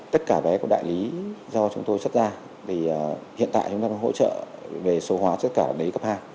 tất cả vé của đại lý do chúng tôi xuất ra thì hiện tại chúng ta hỗ trợ về số hóa tất cả đại lý cấp hai